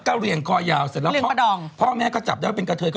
เกอร์เลียนบ้านอีทักอีทัก